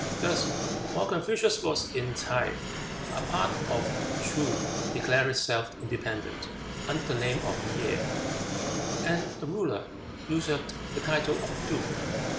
Thus while Confucius was in Ts'ae, a part of Ts'oo declared itself independent, under the name of Ye, and the ruler usurped the title of duke.